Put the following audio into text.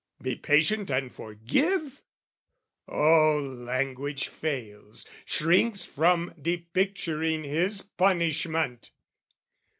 Be patient and forgive? Oh, language fails Shrinks from depicturing his punishment!